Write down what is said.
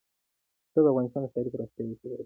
پسه د افغانستان د ښاري پراختیا یو سبب دی.